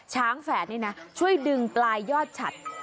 แฝดนี่นะช่วยดึงปลายยอดฉัด